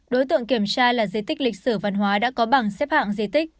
đối tượng kiểm tra là di tích lịch sử văn hóa đã có bảng xếp hạng di tích